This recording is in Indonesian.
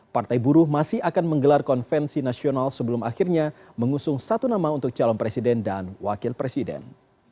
partai buruh masih akan menggelar konvensi nasional sebelum akhirnya mengusung satu nama untuk calon presiden dan wakil presiden